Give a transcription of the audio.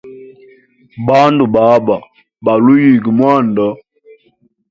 Bandu baba, baluhuyiga mwanda.